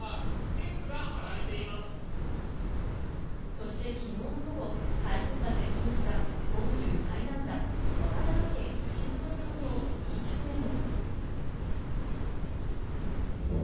そしてきのうの午後、台風が接近した本州最南端、和歌山県串本町の民宿でも。